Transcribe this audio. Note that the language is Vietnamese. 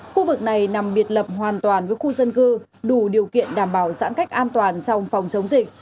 khu vực này nằm biệt lập hoàn toàn với khu dân cư đủ điều kiện đảm bảo giãn cách an toàn trong phòng chống dịch